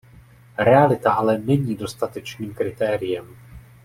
Realita ale není dostatečným kritériem.